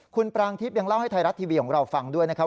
คุณปรางทิพย์ยังเล่าให้ไทยรัฐทีวีของเราฟังด้วยนะครับ